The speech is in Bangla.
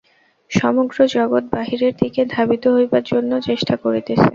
সমগ্র জগৎ বাহিরের দিকে ধাবিত হইবার জন্য চেষ্টা করিতেছে।